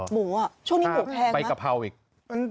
หมูอะช่วงนี้หมูแพงสิ